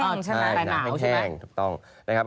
แต่นาวใช่ไหมใช่นาวแห้งถูกต้อง